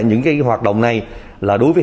những cái hoạt động này là đối với